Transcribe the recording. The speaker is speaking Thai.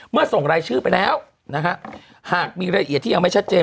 ส่งรายชื่อไปแล้วนะฮะหากมีรายละเอียดที่ยังไม่ชัดเจน